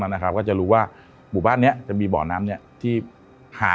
นะครับก็จะรู้ว่าหมู่บ้านนี้จะมีบ่อน้ำเนี่ยที่ห่าง